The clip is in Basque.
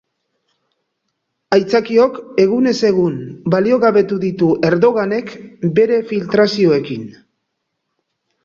Aitzakiok egunez egun baliogabetu ditu Erdoganek bere filtrazioekin.